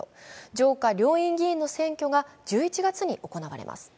上下両院議員の選挙が１１月に行われます。